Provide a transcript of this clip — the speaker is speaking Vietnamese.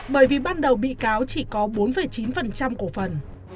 bởi vì ban đầu bị cáo chỉ có bốn chín cổ phần